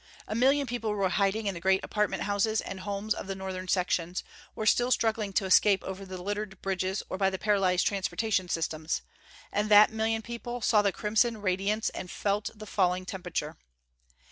A million people were hiding in the great apartment houses and homes of the northern sections, or still struggling to escape over the littered bridges or by the paralyzed transportation systems and that million people saw the crimson radiance and felt the falling temperature.